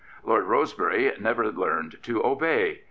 Lord Rosebery never learned to obey.